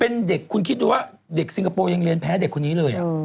เป็นเด็กคุณคิดดูว่าเด็กซิงคโปร์ยังเรียนแพ้เด็กคนนี้เลย